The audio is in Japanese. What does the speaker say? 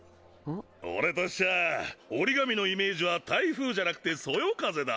俺としちゃ折紙のイメージは台風じゃなくてそよ風だ。